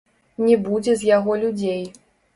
Не будзе з яго людзей.